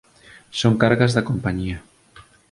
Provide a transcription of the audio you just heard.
Son cargas da compañía